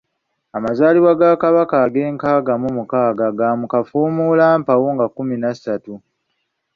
Amazaalibwa ga Kabaka ag'enkaaga mu omukaaga ga mu kafuumulampawu nga kumi nassatu.